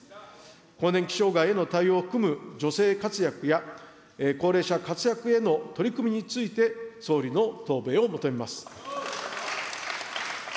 更年期障害への対応を含む女性活躍や、高齢者活躍への取り組みについて総理の答弁を求めます。